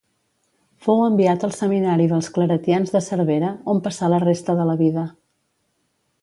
Fou enviat al seminari dels claretians de Cervera, on passà la resta de la vida.